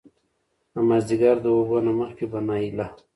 د مازديګر د اوبو نه مخکې به نايله